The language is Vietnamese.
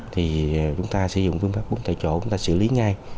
thì chúng ta sẽ dùng phương pháp bốn tại chỗ chúng ta xử lý ngay